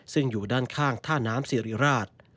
ซึ่งอยู่ด้านข้างท่าน้ำสิริราช